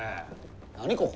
何ここ？